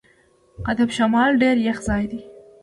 قطب شمال ډېر یخ ځای دی.